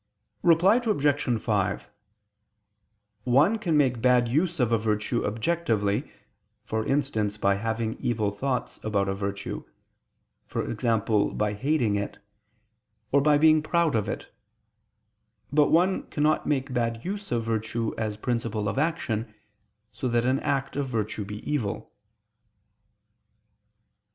Reply Obj. 5: One can make bad use of a virtue objectively, for instance by having evil thoughts about a virtue, e.g. by hating it, or by being proud of it: but one cannot make bad use of virtue as principle of action, so that an act of virtue be evil.